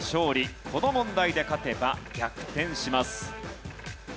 この問題で勝てば逆転します。